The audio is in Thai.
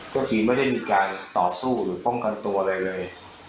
ก็คือไม่ได้มีการต่อสู้หรือป้องกันตัวอะไรเลย